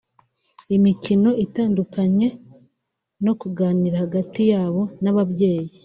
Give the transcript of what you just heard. imikino itandukanye no kuganira hagati yabo n’ababyeyi